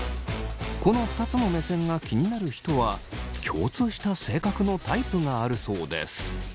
この２つの目線が気になる人は共通した性格のタイプがあるそうです。